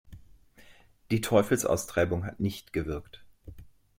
Die Teufelsaustreibung hat nicht gewirkt.